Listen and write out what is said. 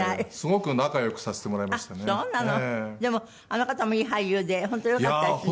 でもあの方もいい俳優で本当よかったですね。